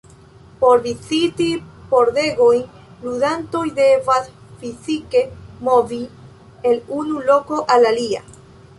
Por viziti pordegojn, ludantoj devas fizike movi el unu loko al alia.